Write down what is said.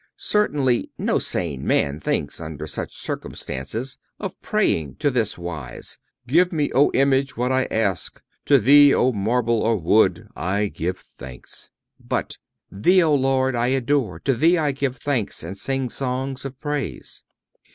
Certainly, no sane man thinks, under such circumstances, of praying in this wise: 'Give me, O image, what I ask; to thee, O marble or wood, I give thanks;' but 'Thee, O Lord, I adore; to Thee I give thanks and sing songs of praise.